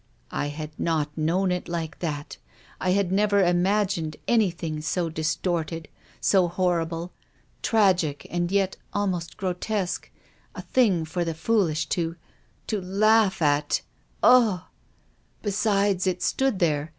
" I had not known it like that. I had never imagined anything so distorted, so horrible, tragic THE GRAVE. 93 and yet almost grotesque, a thing for the foolish to — to laugh at, ugh ! Besides, it stood there.